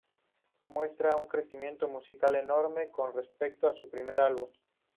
Muestra un crecimiento musical enorme, con respecto a su primer álbum.